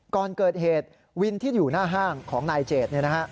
ก่อนเกิดเหตุวินที่อยู่หน้าห้างของนายเจด